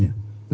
sudah kan sudah